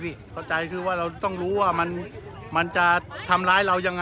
เพราะว่าดูแล้วตัวนี้มันเชื่อง